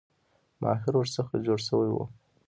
ماهر ورڅخه جوړ شوی وو.